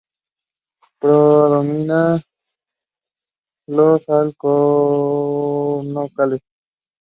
Several events were postponed or canceled due to the coronavirus pandemic.